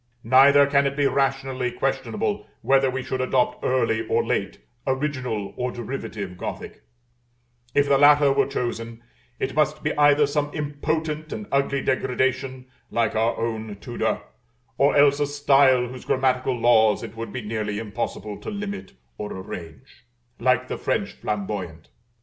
Neither can it be rationally questionable whether we should adopt early or late, original or derivative Gothic: if the latter were chosen, it must be either some impotent and ugly degradation, like our own Tudor, or else a style whose grammatical laws it would be nearly impossible to limit or arrange, like the French Flamboyant.